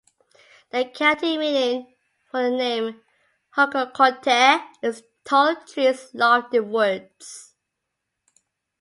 The Celtic meaning for the name 'Hucclecote' is 'tall trees, lofty woods'.